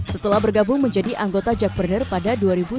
setelah bergabung menjadi anggota jack burner pada dua ribu sembilan belas